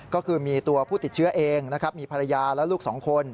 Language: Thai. ก็คือมีตัวผู้ติดเชื้อเองนะครับมีภรรยาและลูกสองคน